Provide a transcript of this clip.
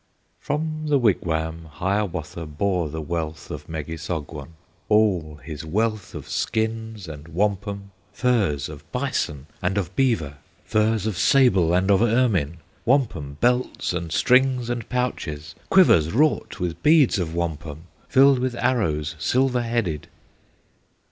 From the wigwam Hiawatha Bore the wealth of Megissogwon, All his wealth of skins and wampum, Furs of bison and of beaver, Furs of sable and of ermine, Wampum belts and strings and pouches, Quivers wrought with beads of wampum, Filled with arrows, silver headed.